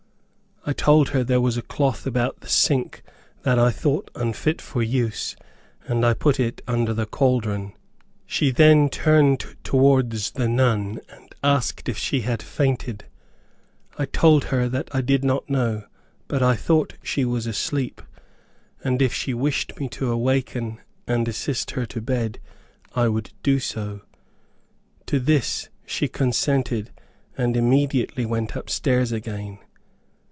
I told her there was a cloth about the sink that I thought unfit for use, and I put it under the caldron. She then turned towards the nun and asked if she had fainted. I told her that I did not know, but I thought she was asleep, and if she wished me to awaken, and assist her to bed, I would do so. To this she consented, and immediately went up stairs again.